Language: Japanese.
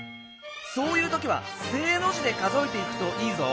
そういうときは「正」の字で数えていくといいぞ！